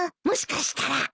もしかしたら